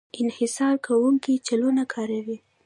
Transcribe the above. انحصار کوونکی چلونه کاروي.